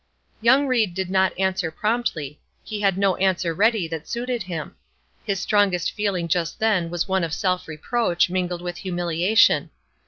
Young Ried did not answer promptly; he had no answer ready that suited him. His strongest feeling just then was one of self reproach, mingled with humiliation.